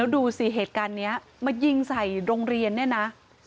ดูสิเหตุการณ์นี้มายิงใส่โรงเรียนเนี่ยนะ